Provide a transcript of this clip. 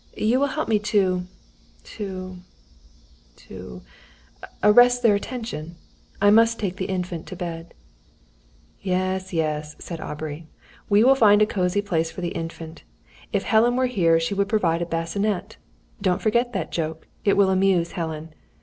You will help me to to to arrest their attention. I must take the Infant to bed." "Yes, yes," said Aubrey; "we will find a cosy place for the Infant. If Helen were here she would provide a bassinet. Don't forget that joke. It will amuse Helen.